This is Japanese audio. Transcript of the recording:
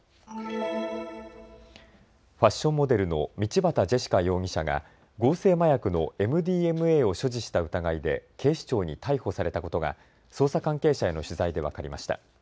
ファッションモデルの道端ジェシカ容疑者が合成麻薬のＭＤＭＡを所持した疑いで警視庁に逮捕されたことが捜査関係者への取材で分かりました。